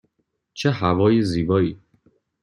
چه هوای زیبایی!